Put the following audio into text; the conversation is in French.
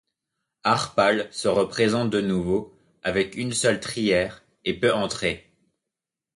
Harpale se représente de nouveau avec une seule trière et peut entrer.